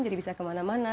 jadi bisa kemana mana